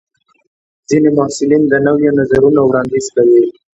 ځینې محصلین د نویو نظرونو وړاندیز کوي.